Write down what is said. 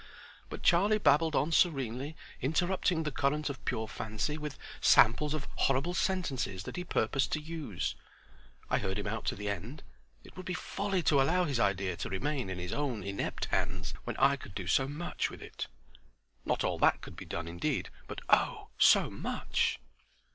But Charlie babbled on serenely, interrupting the current of pure fancy with samples of horrible sentences that he purposed to use. I heard him out to the end. It would be folly to allow his idea to remain in his own inept hands, when I could do so much with it. Not all that could be done indeed; but, oh so much!